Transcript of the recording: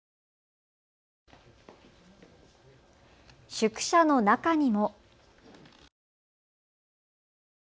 宿舎の中にも。